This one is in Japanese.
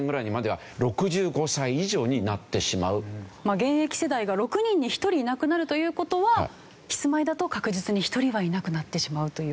現役世代が６人に１人いなくなるという事はキスマイだと確実に１人はいなくなってしまうという。